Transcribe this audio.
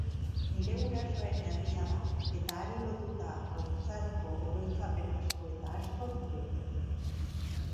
Nire gurasoen herria da eta hari lotuta haurtzaroko oroitzapen asko eta asko ditut.